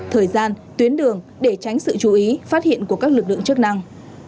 thời gian tuyến đường để tránh sự chú ý phát hiện của các lực lượng chức năng